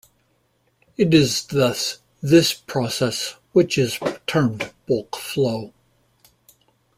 It is thus this process which is termed bulk flow.